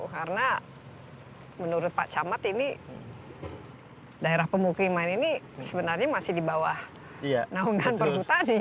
karena menurut pak camat ini daerah pemukiman ini sebenarnya masih di bawah naungan perhutani